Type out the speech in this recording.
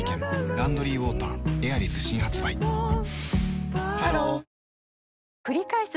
「ランドリーウォーターエアリス」新発売ハローくりかえす